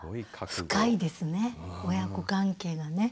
深いですね親子関係がね。